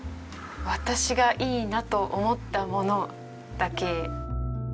私がいいなと思ったものだけ。